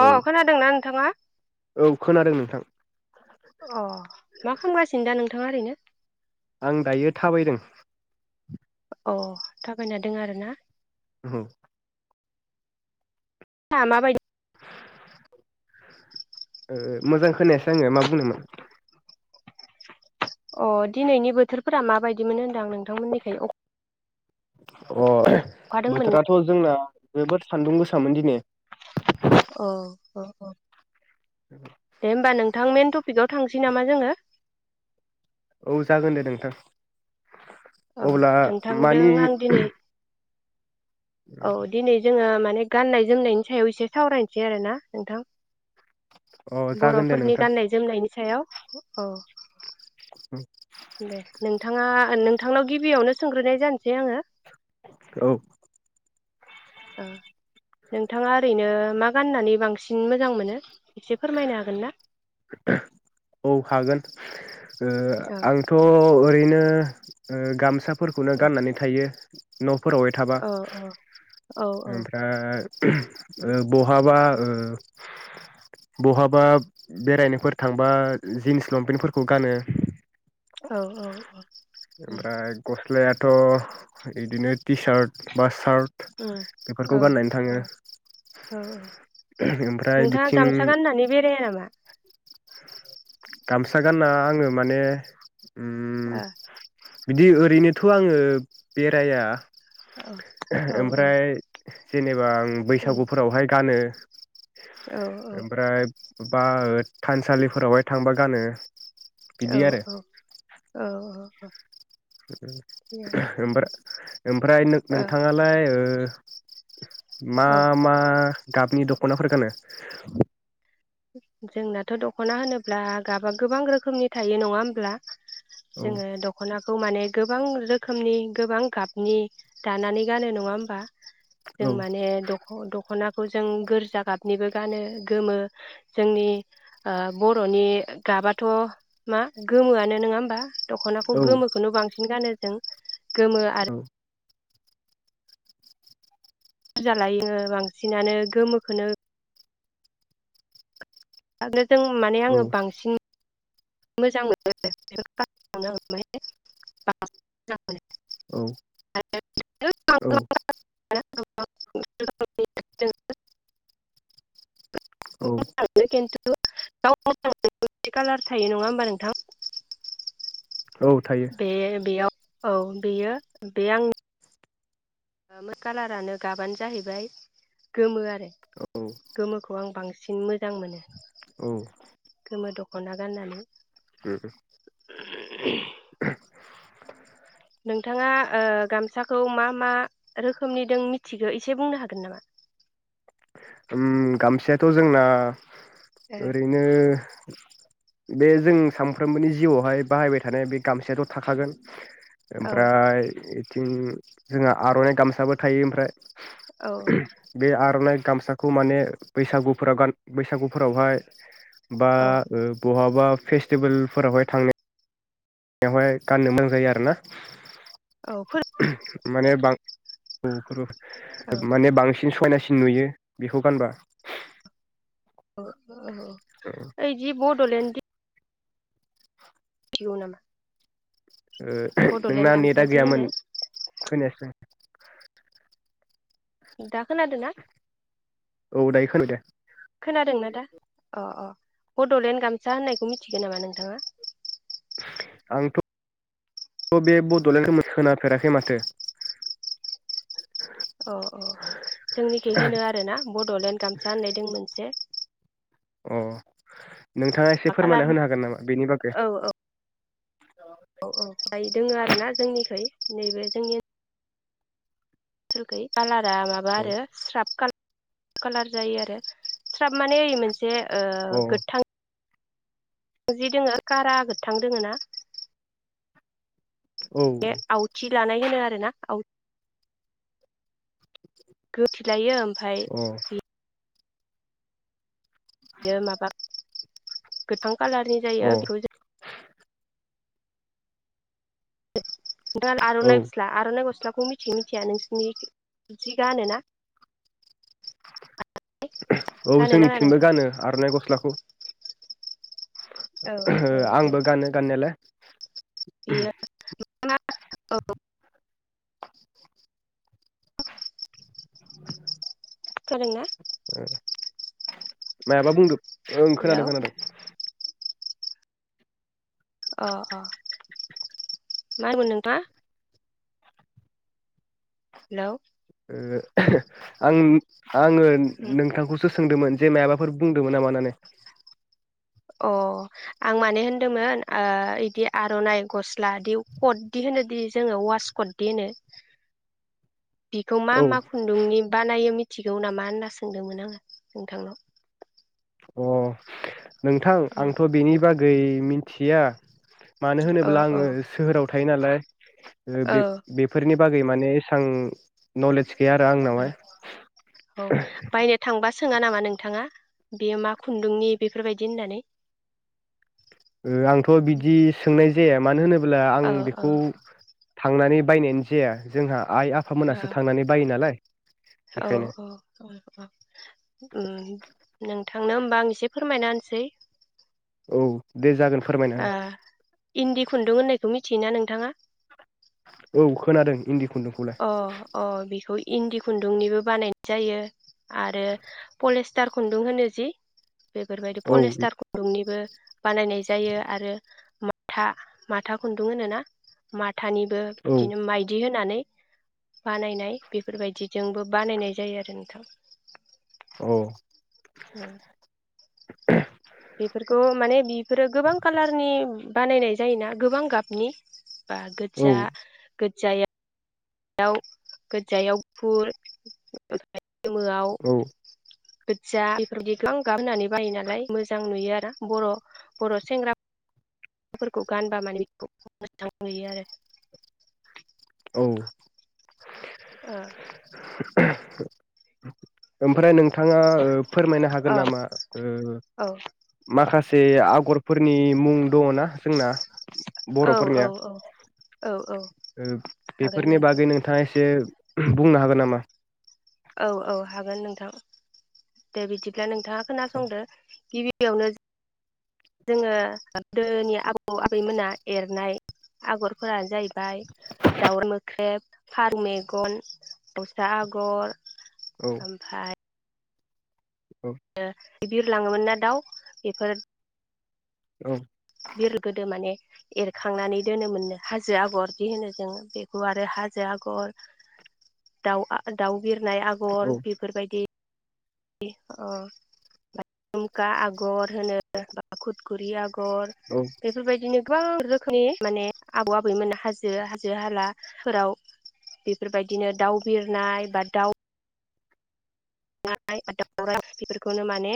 अ खोनादोंना नोंथाङा औ औ खोनादों नोंथां। अ मा खालामगासिनो दा नों नोंथाङा ओरैनो? आं दायो थाबायदों। अ थाबायना दों आरो ना? औ। था माबायदि? ओ मोजां खोनायासै आङो मा बुंदोमोन? अ दिनैनि बोथोरफोरा माबायदि मोन होनदां नोंथांमोननिखै अ अ बोथोराथ' जोंना जोबोद सान्दुं गोसामोन दिनै। अ औ औ। दे होमबा नोंथां मेन टपिकआव थां सै नामा जोङो? औ जागोन दे नोंथां। अ अब्ला नोंथांदों मानि आं दिनै औ दिनै जोङो मा ने गाननाय जोमनायनि सायाव एसे सावरायनोसै आरो ना नोंथां? अ जागोन दे बर'फोरनि नोंथां गाननाय जोमनायनि सायाव। अह। दे नोंथाङा नों नोंथांनाव गिबियावनो सोंग्रोनाय जानोसै आङो। औ। ओ नोंथाङा ओरैनो मा गाननानै बांसिन मोजां मोनो? एसे फोरमायनो हागोन ना? औ हागोन ओ आंथ' ओरैनो उम उम गामसा फोरखौनो औ गाननानै थायो। न' फोरावहाय थाबा औ औ औ ओमफ्राय ओ बहाबा ओह बहाबा बेरायनोफोर थांबा जिन्स लंपेन्टफोरखौ गानो। औ उम ओमफ्राय गस गख्लायाथ बिदिनो टि सार्ट बा सार्ट। उम बेफोरखौ गाननानै थाङो औ-औ-औ-औ ओमफ्राय नोंथाङा बिथिं गामसा गाननानै बेराया नामा गामसा गानना आङो माने उम ओह बिदि ओरैनोथ' आङो बेराया औ औ औ ओमफ्राय। जेनेब बा आं उम बैसागुफोरावहाय गानो। औ औ ओमफ्राय बा थानसालिफोरावहाय थांबा गानो। औ बिदि आरो औ औ औ। [inaudible] ओमफ्राय ओमफ्राय नोंथाङालाय ओ [inaudible] मा औ मा। गाबनि दखनाफोर गानो। जोंनाथ' दखना होनोब्ला गाबा गोबां रोखोमनि थायो नङा होमब्ला औ जोङो दखनाखौ खौ माने गोबां रोखोमनि गोबां गाबनि दानानै गानो नङा होमबा जों औ माने द द'खना खौ जों गोरजा गाबनिबो गानो गोमो जोंनि ओ बरनि गाबाथ मा गोमोआनो नङा होमबा दखनाखौ औ गोमोखौनो बांसिन गानो जों गोमो औ आरो बुरजा लायोनो बांसिनानो गोमोखौनो [unintelligible] आरो जों माने औ आङो बांसिन मोजां मोनो औ औ [inaudible] [inaudible] गाव औ [unintelligible] गावनावबो [unintelligible] बिदि कालार थायो नङा होमबा नोंथां? औ थायो बे बेयाव औ बेयो बे आंनि कालारानो गाबानो जाहैबाय गोमो औ गोमोखौ आं बांसिन बांसिन मोजां मोनो। औ गोमो दखना गाननानै [unintelligible] उम ओ [inaudible] [inaudible] नोंथाङा ओ गामसाखौ मा मा रोखोमनि दं मिथिगौ एसे बुंनो हागोन नामा? ओम गामसायाथ' जोंना ओ ओरैनो बे जों सानफ्रोमबोनि जिउआवहाय बाहायबाय थानाय बे गामसायाथ थाखागोन। औ ओमफ्राय होम जोंहा आरनाइ गामसाबो थायो ओमफ्राय औ [inaudible] बे आर'नाय गामसाखौ माने बैसागुफोराव बैसागुफोरावहाय बा औ ओ बहाबा फेस्टिभेलफोरावहाय थांनाय। बेवहाय गाननो मोजां जायो आरोना। औ फो माने बां औ माने बांसिन सयना सिन नुयो बेखौ गानबा। ओ ओ ओ‌ ए जि बडलेण्डनि [unintelligible] नामा। ओ [unintelligible] नोंना बड'लेण्ड गामसा नेटआ जि होनो गैयामोन खोनायाखै। दा खोनादोंना औ दायो खोनाबाय खोनादोंना दा? बड'लेण्ड गामसा होननायखौ मिथिगो नामा नोंथाङा? आंथ' बे बड'लेण्ड होननाय खोनाफेराखै माथो। अ अ जोंनिखि होनो आरोना बड'लेण्ड गामसा होननाय‌ दों मोनसे। अ। नोंथाङा एसे फोरमायना कालारनि होनो हागोन नामा बेनि बागै। औ औ औ औ फ्राय दोङो आरो ना जोंनिखै। नैबे जोंनि ओन सोलखै काला रा मा औ आरो स्राब काला कालार जायो आरो स्राब माने होयो मोन से ओ अ गोथां जि दोङो कारा गोथां दोङो ना। औ बे अ आवथि दानाय होनो आरो ना आव गोथैलायो ओम अ। यो माबाख [inaudible] गोथां कालारनि अ जायो बे‌खौ जों दा औ आरनाइ फुस्ला आरनाइ गस्ला बेखौ मिथियो मिथिया नोंसिनि जि गानोना? [unintelligible] औ गानोना गाना जोंनिथिंबो नोंथां गानो आरनाइ गस्लाखौ। औ ओ औ औ आंबो गानो गाननायालाय [unintelligible] औ। [inaudible] खोदों ना? ओ मायाबा बुंदो? ओं हेलौ खोनादों खोनादों। अ अ मा होनदोंमोन नोंथाङा? हेलौ। ओ [unintelligible] आं। आङो नोंथांखौसो सोंदोंमोन जे मायाबाफोर बुंदोंमोन नामा होननानै? अ आं माने होनदोंमोन ओ इदि आरनाइ गस्ला दि कददि होनो दि जोङो वास कददि होनो बिखौ मा औ मा खुन्दुंनि बानायो मि मिथिगौ नामा होनना सोंदोंमोन आङो नोंथांनाव अ नोंथां उम आंथ बेनि बागै गै मिथिया मानो अ होनोब्ला अ आङो सोहोराव थायो नालाय औ बे बेफोरनि बागै माने एसां नलेज गैया आरो औ आंनावहाय बायनो थांबा सोङा नामा नोंथाङा बेयो मा खुन्दुंनि बेफोरबायदि होननानै? ओ आंथ बिदि सोंनाय जाया मानो होनोब्ला आं औ औ बेखौ थांनानै बायनायानो जाया जोंहा आइ-आफामोनासो थांनानै बायो नालाय औ बेखायनो औ औ उम नों थांनो होमबा आं एसे फोरमायना होनसै औ दे जागोन फोरमायनो हो इन्दि खुन्दुं होननायखौ मिथियोना नोंथाङा? औ खोनादों इन्दि खुन्दुंखौलाय अ अ बिखौ इन्दि खुन्दुंनिबो बानायनाय जायो आरो पलेस्टार खुन्दुं होनो जि बेफोरबायदि औ पलेस्टार खुन्दुंनिबो बानायनाय जायो आरो माथा, माथा खुन्दुं होनो‌ ना, माथा माथानिबो औ बिदिनो माइदि होनानै बानायनाय बेफोरबायदिजोंबो बानायनाय जायो आरो नोंथां औ ओ [unintelligible] बेफोरखौ माने बेफोरो गोबां कालारनि बानायनाय जायोना गोबां गाबनि बा गोजा गो जाया गोजायाव फुर गोमोआव औ गोज्जा बेफोरबायदि ग्लां गाब होननानै बायो नालाय मोजां नुयो आरो बर बर सेंग्राफोरखौ गानबा माने बे मोजां नुयो आरो औ ओ [inaudible] ओमफ्राय नोंथाङा ओ फोरमायनो औ हागोन नामा ओ माखासे एसे आगरफोरनि मुं दङ ना जोंना औ बर'फोरनिया औ औ हागोन बेफोरनि नोंथां बागै नोंथाङा एसे बुंनो हागोन नामा? औ औ हागोन नोंथां दे बिदि ब्ला नोंथाङा औ खोनसंदो । गिबि यावनो जोङो गोदोनि आबौ आबैमोना एरनाय आगरफोरा जाहैबाय दावराय मोख्रेब, फारौ मेगन, दस्रा आगर औ ओमफ्राय बिरलाङोमोन ना दाउ बेफोर औ बिर गोदो माने एरखांनानै दोनोमोनो हाजो आगरदि होनो जोङो बेखौ आरो हाजो आगर दाउ दाउ बिरनाय आगर बेफोरबायदि ओ जुमखा आगर होनो बा खुद खुरिया आगर औ बेफोरबायदिनो गोबां रोखोमनि माने आबौ आबैमोन हाजो हाजो हालाफोराव बेफोरबायदिनो दाउ बिरनाय बा दाउ दावराय बेफोरखौनो माने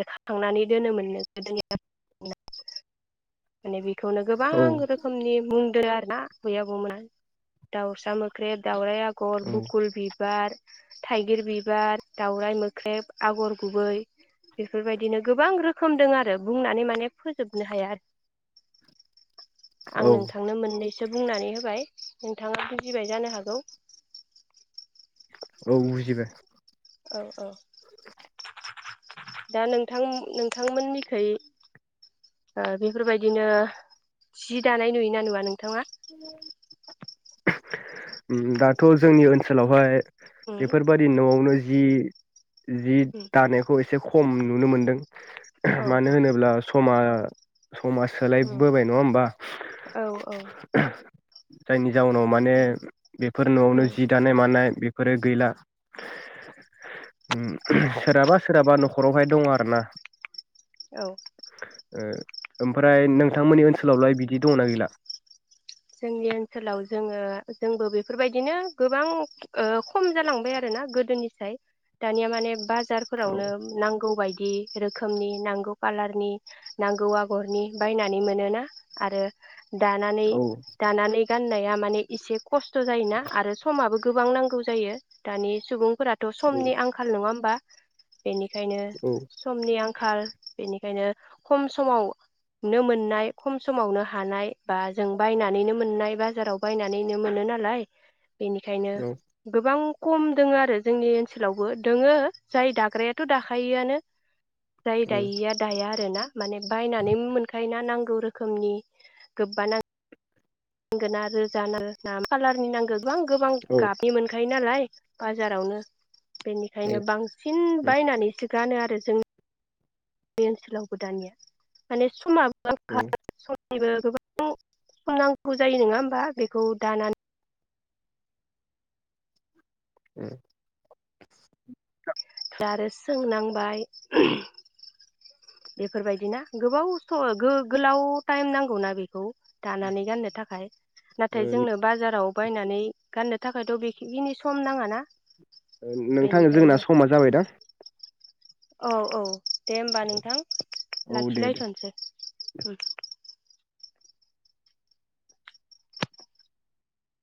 एरखाखांनानै दोनोमोनो गोदो आबौ आबै मोना । माने बेखौनो गोबां औ रोखोमनि बुंदों आरो ना आबै आबौमोना दाउसा मोख्रेब, दाउराय आगर, औ बुकुल बिबार थाइगिर बिबार, दावराइ मोख्रेब, आगर गुबै बेफोरबायदिनो गोबां रोखोम दं आरो बुंनानै माने फोजोबनो हाया आरो । आं औ नोंथांनो मोननैसो बुंनानै होबाय नोंथाङा बुजिबाय जानो हागौ । औ बुजिबाय । औ औ दा नोंथां नोंथांमोननिखै ओ बेफोरबायदिनो जि दानाय नुयोना नुवा नों ओम दाथ' जोंनि ओनसोलावहाय उम बेफोरबायदि न'आवनो जि जि उम दानायखौ एसे खम नुनो मोन्दों अ अ मानो होनोब्ला समा समा उम सोलायबोबाय नङा होमबा औ औ [unintelligible] जाउनाव माने बेफोर न'आवनो उम जि दानाय मानाय बे फोरो गैला उम सोरहाबा सोरहाबा न'खरावहाय दङ आरोना औ ओ ओमफ्राय नोंथांमोननि ओनसोलावलाय बिदि दंना गैला? जोंनि ओनसोलाव जोङो जोंबो बेफोरबायदिनो गोबां ओ खम जालांबाय आरोना गोदोनिसाय दानिया माने बा औ जारफोरावनो नांगौ बाय दि रोखोमनि नांगौ कालारनि नांगौ आगरनि बायनानै मोनोना आरो दानानै औ नानै गाननाया माने एसे खस्थ जायोना आरो समाबो गोबां नांगौ जायो दानि सुबुंफोरा थ औ समनि आंखाल नङा होमबा बेनिखायनो समनि आंखाल बेनिखायनो खम समावनो मोननाय खम समावनो हानाय बा जों बायनानैनो मोननाय बाजाराव बायनानैनो मोनो नालाय बेनिखायनो औ गोबां खम दोङो आरो जोंनि ओनसोलावबो दोङो जाय दाग्रायाथ दाखायोआनो जाय दायिया दाया आ ना माने बायनानै मोनखायो ना नां नांगौ रोखोमनि गोबा नांगौ नांगोना रोजा नांगो ना कालारनि नांगो गोबां गोबां औ गाबनि मोनखा योनालाय बाजारावनो बेनिखायनो बांसिन बायनानैसो गानो आरो जों नि ओनसोलाव बो दानिया माने समा औ [inaudible] निबो गोबां समनांगौ जायो नङा होमबा बेखौ दानानै उम दा आरो सोंनांबाय बेफोरबायदि ना गोबावस स गो-गोलाव टाइम नांगौना बेखौ दानानै गाननो थाखाय ओ नाथाय जोंनो बाजाराव बायनानै गाननो थाखायथ बेखिनि सम नाङा ना ओ नोंथां जोंना समा जाबायदां औ औ दे होमबा नोंथां औ दे दे लाखिलायथ नोसै उम